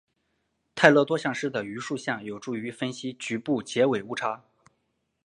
泰勒多项式的余数项有助于分析局部截尾误差。